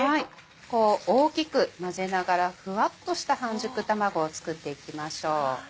こう大きく混ぜながらふわっとした半熟卵を作っていきましょう。